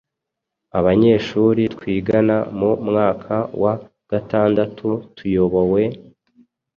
Abanyeshuri twigana mu mwaka wa gatandatu tuyobowe